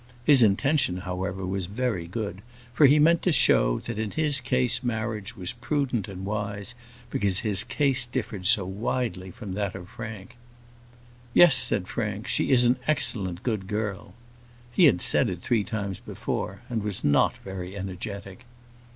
His intention, however, was very good, for he meant to show, that in his case marriage was prudent and wise, because his case differed so widely from that of Frank. "Yes," said Frank. "She is an excellent good girl:" he had said it three times before, and was not very energetic.